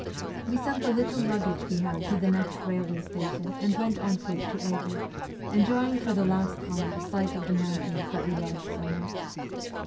We sent the little luggage we had to the next railway station and went on foot to Aigle, enjoying for the last time the sight of the mountains that we loved so much.